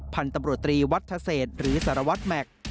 พันธุ์ตำรวจตรีวัฒเศษหรือสารวัตรแม็กซ์